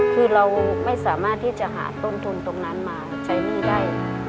คือเราไม่สามารถที่จะหาต้นทุนตรงนั้นมาใช้หนี้ได้